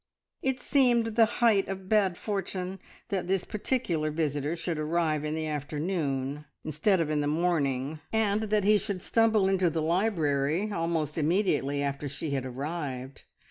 It seemed the height of bad fortune that this particular visitor should arrive in the afternoon, instead of the morning, and that he should stumble into the library almost immediately after she had arrived.